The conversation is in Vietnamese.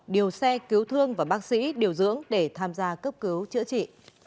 điều xe cứu thương và bác sĩ điều dưỡng để tham gia cấp cứu chữa trị